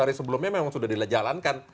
dua ratus hari sebelumnya memang sudah dijalankan